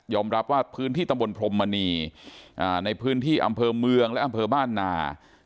รับว่าพื้นที่ตำบลพรมมณีในพื้นที่อำเภอเมืองและอำเภอบ้านนา